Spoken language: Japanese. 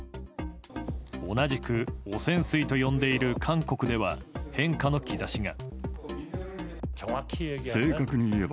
同じく汚染水と呼んでいる韓国では変化の兆しが。